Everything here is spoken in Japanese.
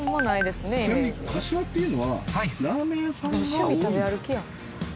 ちなみに柏っていうのはラーメン屋さんが多いんですか？